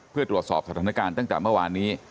เพื่อตรวจสอบสถานการณ์ตั้งแต่เมื่อวานนี้